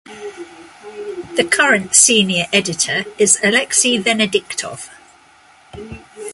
The current senior editor is Alexey Venediktov.